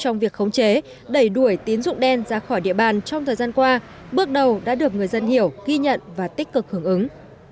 trong việc khống chế đẩy đuổi tín dụng đen ra khỏi địa bàn trong thời gian qua bước đầu đã được người dân hiểu ghi nhận và tích cực hướng ứng